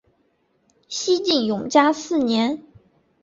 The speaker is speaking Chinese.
西晋永嘉四年。